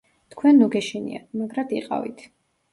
თქვენ ნუ გეშინიათ, მაგრად იყავით.